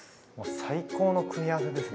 最高の組み合わせですね。